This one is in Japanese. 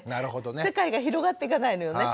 世界が広がっていかないのよね。